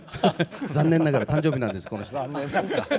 残念ながら誕生日なんです、この人。